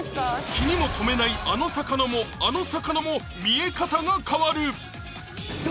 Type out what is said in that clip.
気にも留めないあの魚もあの魚も見え方が変わる！